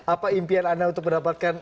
apa impian anda untuk mendapatkan